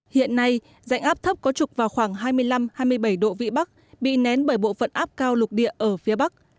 hiện nay dạnh áp thấp có trục vào khoảng hai mươi năm hai mươi bảy độ vị bắc bị nén bởi bộ phận áp cao lục địa ở phía bắc